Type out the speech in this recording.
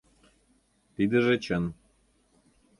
— Тидыже чын...